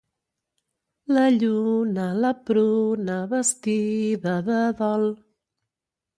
La lluna, la pruna, vestida de dol.